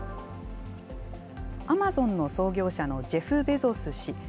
アマゾンの創業者のジェフ・ベゾス氏。